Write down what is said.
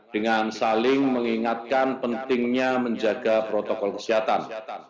dengan saling mengingatkan pentingnya menjaga protokol kesehatan